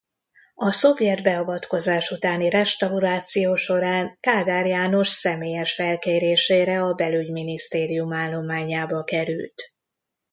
A szovjet beavatkozás utáni restauráció során Kádár János személyes felkérésére a Belügyminisztérium állományába került.